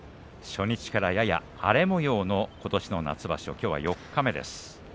初日からやや荒れもようのことしの夏場所きょうは四日目です。